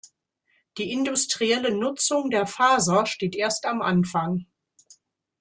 Die industrielle Nutzung der Faser steht erst am Anfang.